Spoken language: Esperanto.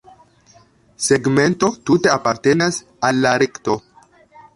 Segmento tute apartenas al la rekto.